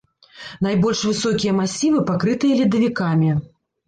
Найбольш высокія масівы пакрытыя ледавікамі.